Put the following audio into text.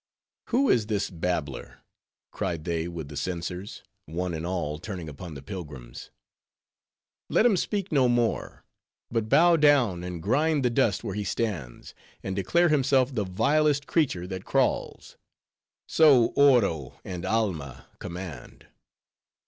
"Who is this babbler?" cried they with the censers, one and all turning upon the pilgrims; "let him speak no more; but bow down, and grind the dust where he stands; and declare himself the vilest creature that crawls. So Oro and Alma command."